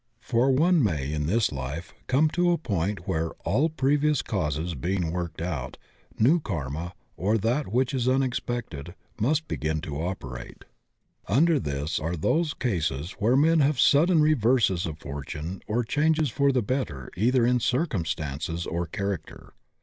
For one may in this life come to a point where, all I 94 THE OCEAN OF THEOSOPHY previous causes being worked out, new karma, or that which is unexpended, must begin to operate. Under this are those cases where men have sudden reverses of fortune or changes for the better either in circumstances or character.